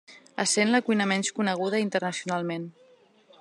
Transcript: Essent la cuina menys coneguda internacionalment.